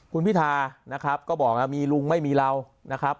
คุณพิธานะครับก็บอกนะมีลุงไม่มีเรานะครับ